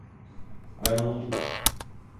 Ben oldum.